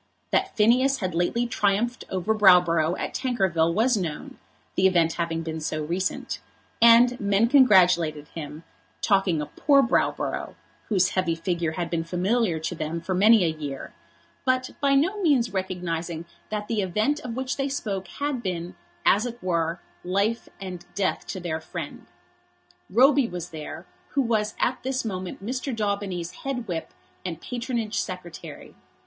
That Phineas had lately triumphed over Browborough at Tankerville was known, the event having been so recent; and men congratulated him, talking of poor Browborough, whose heavy figure had been familiar to them for many a year, but by no means recognising that the event of which they spoke had been, as it were, life and death to their friend. Roby was there, who was at this moment Mr. Daubeny's head whip and patronage secretary.